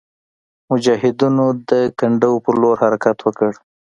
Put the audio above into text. مجاهدینو د کنډو پر لور حرکت وکړ.